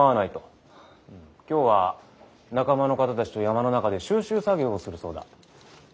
今日は仲間の方たちと山の中で収集作業をするそうだ。